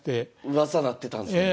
うわさなってたんですね。